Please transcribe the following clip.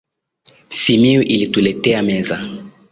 Simiyu alituletea meza.